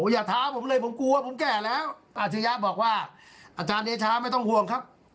อย่าท้าผมเลยผมกลัวผมแก่แล้วอาชริยะบอกว่าอาจารย์เดชาไม่ต้องห่วงครับ